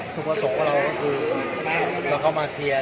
สวัสดีครับพี่เบนสวัสดีครับ